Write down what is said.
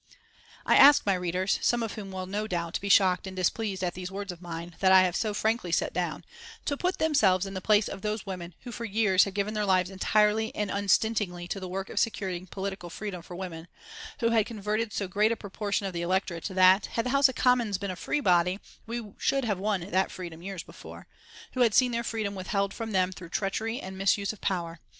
I ask my readers, some of whom no doubt will be shocked and displeased at these words of mine that I have so frankly set down, to put themselves in the place of those women who for years had given their lives entirely and unstintingly to the work of securing political freedom for women; who had converted so great a proportion of the electorate that, had the House of Commons been a free body, we should have won that freedom years before; who had seen their freedom withheld from them through treachery and misuse of power.